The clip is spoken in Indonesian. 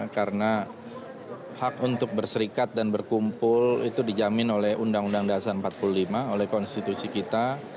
karena hak untuk berserikat dan berkumpul itu dijamin oleh undang undang dasar empat puluh lima oleh konstitusi kita